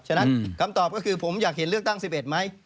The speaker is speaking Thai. ฉะนั้นคำตอบก็คือผมอยากเห็นเลือกตั้ง๑๑ไหม